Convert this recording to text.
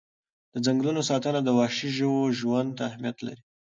د ځنګلونو ساتنه د وحشي ژوو ژوند ته اهمیت لري.